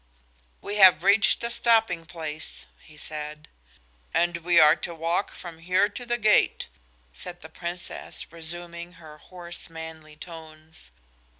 "We have reached the stopping place," he said. "And we are to walk from here to the gate," said the Princess, resuming her hoarse, manly tones.